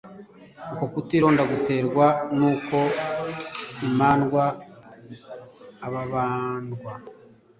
Uko kutironda guterwa n'uko imandwa (ababandwa)